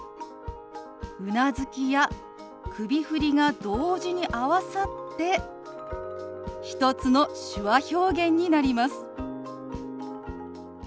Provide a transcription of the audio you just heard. うなずきや首振りが同時に合わさって１つの手話表現になります。